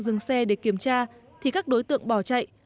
dừng xe để kiểm tra thì các đối tượng bỏ chạy